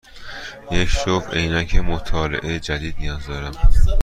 یک جفت عینک مطالعه جدید نیاز دارم.